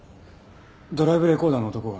ドライブレコーダーの男が。